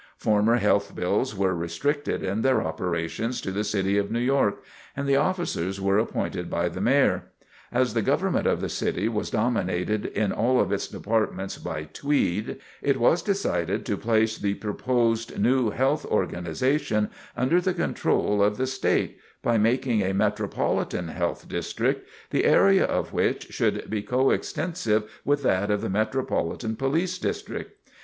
Former health bills were restricted in their operations to the city of New York, and the officers were appointed by the Mayor. As the government of the city was dominated in all of its departments by Tweed, it was decided to place the proposed new health organization under the control of the State, by making a Metropolitan Health District, the area of which should be co extensive with that of the Metropolitan Police District.